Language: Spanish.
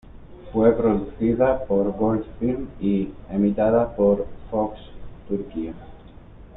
Fue producida por Gold Film y emitida por Fox Turquía.